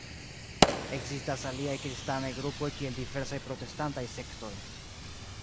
Ekzistas aliaj kristanaj grupoj kiel diversaj protestantaj sektoj.